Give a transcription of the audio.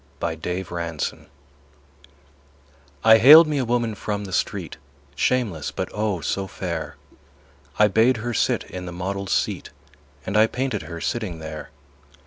_ My Madonna I haled me a woman from the street, Shameless, but, oh, so fair! I bade her sit in the model's seat And I painted her sitting there.